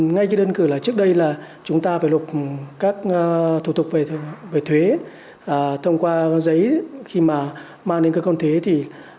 ngay cái đơn cử là trước đây là chúng ta phải lục các thủ tục về thuế thông qua giấy khi mà mang đến cơ quan thuế thì